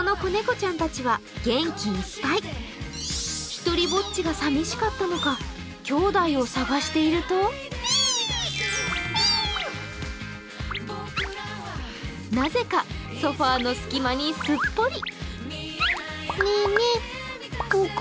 ひとりぼっちが寂しかったのかきょうだいを探しているとなぜかソファの隙間にすっぽり。